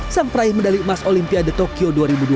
sampai medali emas olimpia de tokyo dua ribu dua puluh